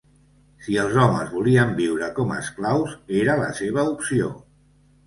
Si els homes volien viure com esclaus, era la seva opció.